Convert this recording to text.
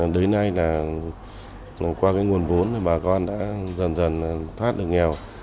đến nay là qua cái nguồn vốn thì bà con đã dần dần thoát được nghèo